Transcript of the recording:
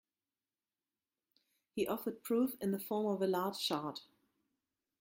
He offered proof in the form of a large chart.